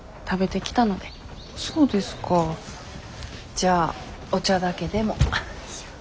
じゃあお茶だけでも。